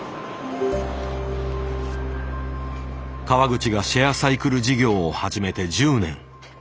川口がシェアサイクル事業を始めて１０年。